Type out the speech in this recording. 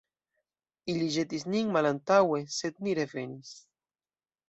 Ili ĵetis nin malantaŭe, sed ni revenis.